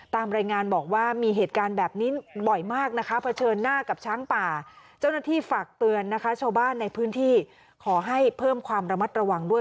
ตามรายงานบอกว่ามีเหตุการณ์แบบนี้บ่อยมากนะคะเผชิญหน้ากับช้างป่าเจ้าหน้าที่ฝากเตือนนะคะชาวบ้านในพื้นที่ขอให้เพิ่มความระมัดระวังด้วย